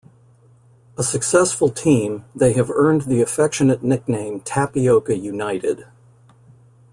A successful team, they have earned the affectionate nickname Tapioca United.